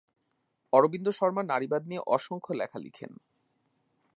অরবিন্দ শর্মা নারীবাদ নিয়ে অসংখ্য লেখা লিখেন।